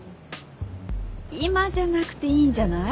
今じゃなくていいんじゃない？